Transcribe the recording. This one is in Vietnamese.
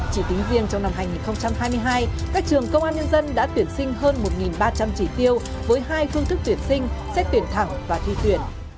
chỉ tính riêng trong năm hai nghìn hai mươi hai các trường công an nhân dân đã tuyển sinh hơn một ba trăm linh chỉ tiêu với hai phương thức tuyển sinh xét tuyển thẳng và thi tuyển